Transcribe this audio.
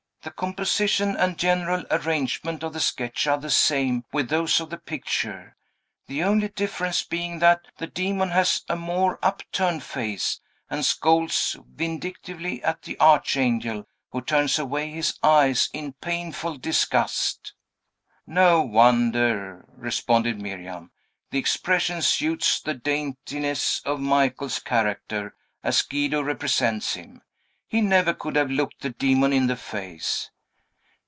The composition and general arrangement of the sketch are the same with those of the picture; the only difference being, that the demon has a more upturned face, and scowls vindictively at the Archangel, who turns away his eyes in painful disgust." "No wonder!" responded Miriam. "The expression suits the daintiness of Michael's character, as Guido represents him. He never could have looked the demon in the face!"